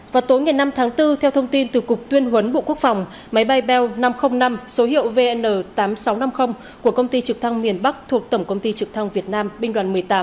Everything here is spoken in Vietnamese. vào tối ngày năm tháng bốn theo thông tin từ cục tuyên huấn bộ quốc phòng máy bay bel năm trăm linh năm số hiệu vn tám nghìn sáu trăm năm mươi của công ty trực thăng miền bắc thuộc tổng công ty trực thăng việt nam binh đoàn một mươi tám